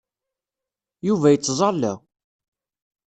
Yuba yettẓalla.